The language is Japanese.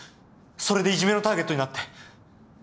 それでいじめのターゲットになって。